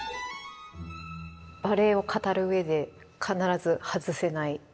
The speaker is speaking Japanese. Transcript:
バレエを語る上で必ず外せない。